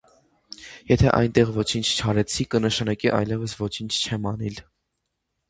- Եթե այնտեղ ոչինչ չարեցի, կնշանակի այլևս ոչինչ չեմ անիլ: